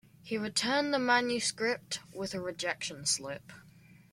He returned the manuscript with a rejection slip.